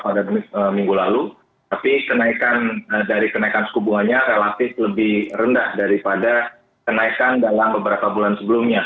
pada minggu lalu tapi kenaikan dari kenaikan suku bunganya relatif lebih rendah daripada kenaikan dalam beberapa bulan sebelumnya